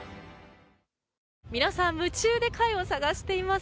皆さん夢中で貝を探しています。